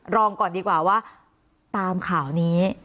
รองก่อนดีกว่าว่าตามข่าวนี้